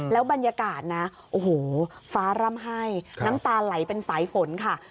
แล้วบรรยากาศนะโอ้โหฟ้าร่ำไห้น้ำตาไหลเป็นสายฝนค่ะ